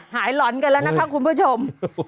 หลอนกันแล้วนะคะคุณผู้ชม